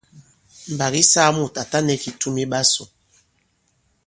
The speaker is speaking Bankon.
Mbàk ǐ saa mùt à ta nɛ kitum i ɓasū.